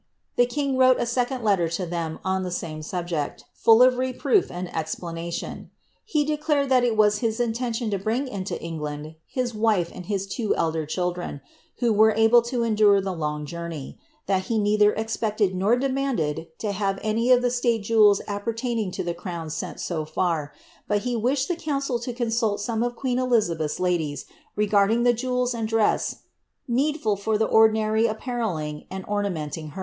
The kins wt^Kf a second letter to them on the same subject, fidl of reproof .ind e3ipb:;ri tioti. He declared that it was his inienlion to bring into England his "i:V am! Iiis two elder children, who were able to endure the long joum*y; that he neither e.ipected nor demanded to have any of the siaie jeMrls appertaining to the crown sent so far; but he wished the couiicii K' consuh some of queen Elizabeih's ladies regarding ihe jewels and ilie;' *• needful for the ordinary apparelling and ornamenting her.